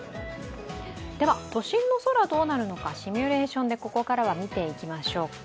都心の空どうなるのか、シミュレーションでここからは見ていきましょうか。